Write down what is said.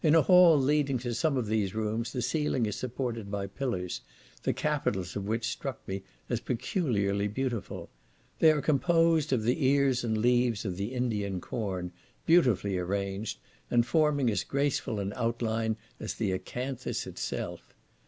In a hall leading to some of these rooms, the ceiling is supported by pillars, the capitals of which struck me as peculiarly beautiful. They are composed of the ears and leaves of the Indian corn, beautifully arranged, and forming as graceful an outline as the acanthus itself.